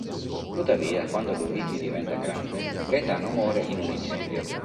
Tuttavia, quando Luigi diventa grande, Gaetano muore in un incendio.